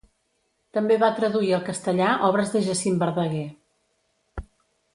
També va traduir al castellà obres de Jacint Verdaguer.